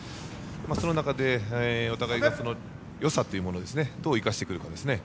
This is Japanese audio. その中で、お互いがよさというものをどう生かしてくるかですね。